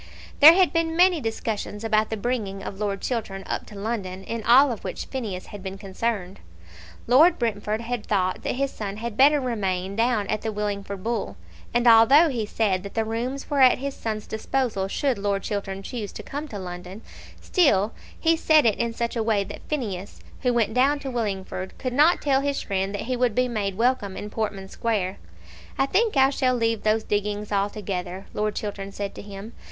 There had been many discussions about the bringing of Lord Chiltern up to London, in all of which Phineas had been concerned. Lord Brentford had thought that his son had better remain down at the Willingford Bull; and although he said that the rooms were at his son's disposal should Lord Chiltern choose to come to London, still he said it in such a way that Phineas, who went down to Willingford, could not tell his friend that he would be made welcome in Portman Square. "I think I shall leave those diggings altogether," Lord Chiltern said to him.